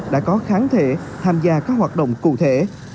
đã có kháng thể tham gia các hoạt động cụ thể